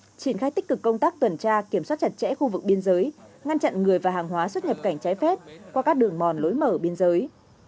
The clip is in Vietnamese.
công an thành phố mông cái tích cực công tác tuần tra kiểm soát chặt chẽ khu vực biên giới ngăn chặn người và hàng hóa xuất hiệp cảnh trái phép qua các đường mòn lối mở biên giới